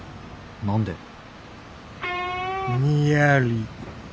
何で？